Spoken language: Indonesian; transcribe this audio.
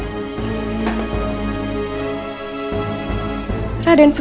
untuk melihat raut wajahnya